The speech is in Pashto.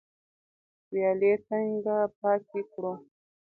ویالې څنګه پاکې کړو؟